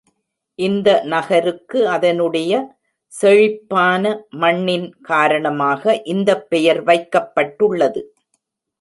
இந்த நகருக்கு அதனுடைய செழிப்பான மண்ணின் காரணமாக இந்தப் பெயர் வைக்கப்பட்டுள்ளது.